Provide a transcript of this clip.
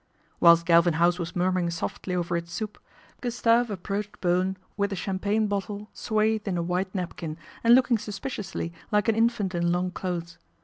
Whilst Galvin House was murmuring softly over its soup, Gustave approached Bowen with the champagne bottle swathed in a white napkin, and looking suspiciously like an infant in long clothes.